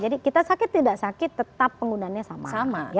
jadi kita sakit tidak sakit tetap penggunanya sama